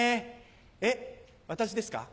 えっ私ですか？